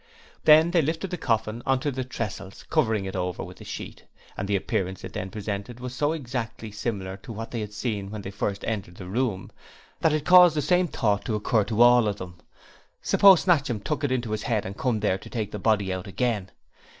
Then they lifted the coffin on to the tressels, covering it over with the sheet, and the appearance it then presented was so exactly similar to what they had seen when they first entered the room, that it caused the same thought to occur to all of them: Suppose Snatchum took it into his head to come there and take the body out again?